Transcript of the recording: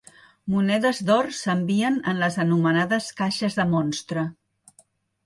Monedes d'or s'envien en les anomenades caixes de monstre.